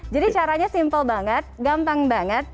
jadi caranya simpel banget gampang banget